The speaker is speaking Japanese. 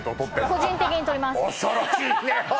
個人的に取ります